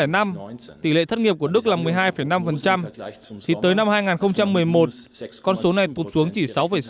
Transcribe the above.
năm hai nghìn năm tỷ lệ thất nghiệp của đức là một mươi hai năm thì tới năm hai nghìn một mươi một con số này tụt xuống chỉ sáu sáu